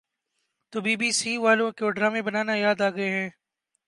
تو B B C والوں کو ڈرامے بنانا یاد آگئے ہیں